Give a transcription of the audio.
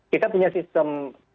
kita punya sistem